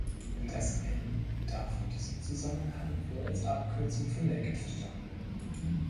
Das "N" darf in diesem Zusammenhang wohl als Abkürzung für "naked" verstanden werden.